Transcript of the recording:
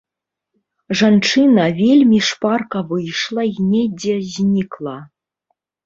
Жанчына вельмі шпарка выйшла і недзе знікла.